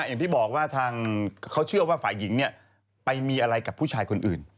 อย่างที่บอกว่าทางเขาเชื่อว่าฝ่ายหญิงไปมีอะไรกับผู้ชายคนอื่น